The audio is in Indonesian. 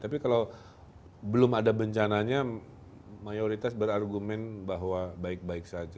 tapi kalau belum ada bencananya mayoritas berargumen bahwa baik baik saja